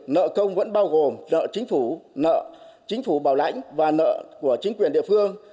nợ công vẫn bao gồm nợ chính phủ nợ chính phủ bảo lãnh và nợ của chính quyền địa phương